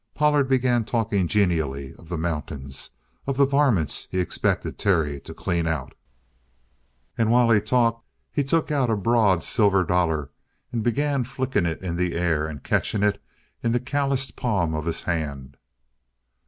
Pollard began talking genially of the mountains, of the "varmints" he expected Terry to clean out, and while he talked, he took out a broad silver dollar and began flicking it in the air and catching it in the calloused palm of his hand.